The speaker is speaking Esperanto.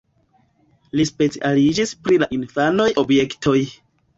Li specialiĝis pri la infanaj objektoj.